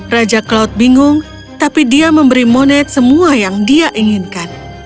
raja cloud bingung tapi dia memberi monet semua yang dia inginkan